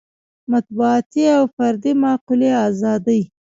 مطبوعاتي او فردي معقولې ازادۍ.